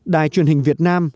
đài truyền hình việt nam